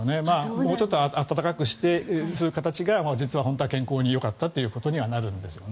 もうちょっと暖かくしてそういう形が実は本当に健康によかったということになるんですよね。